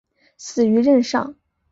死于任上。